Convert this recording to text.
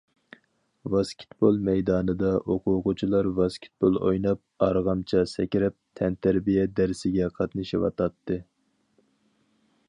ۋاسكېتبول مەيدانىدا ئوقۇغۇچىلار ۋاسكېتبول ئويناپ، ئارغامچا سەكرەپ، تەنتەربىيە دەرسىگە قاتنىشىۋاتاتتى.